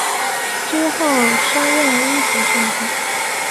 之后升任一级上将。